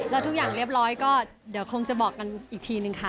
แล้วทุกอย่างเรียบร้อยก็เดี๋ยวคงจะบอกกันอีกทีนึงค่ะ